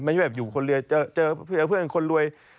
ไม่ได้อยู่คนรวยเจอเพื่อนคนรวย